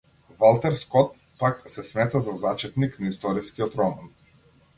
Валтер Скот, пак, се смета за зачетник на историскиот роман.